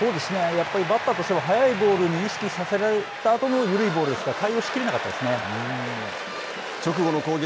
やっぱりバッターとしては速いボールを意識させられたあとの緩いボールですから直後の攻撃。